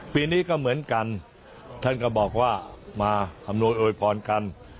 ปีนี้ก็เหมือนกันท่านก็บอกว่ามาอำนวยอวยพรกัน